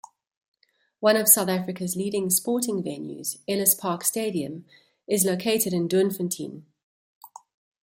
One of South Africa's leading sporting venues, Ellis Park Stadium, is located in Doornfontein.